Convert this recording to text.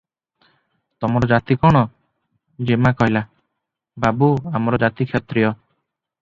ତମର ଜାତି କଣ?" ଯେମା କହିଲା- "ବାବୁ! ଆମର ଜାତି କ୍ଷତ୍ରିୟ ।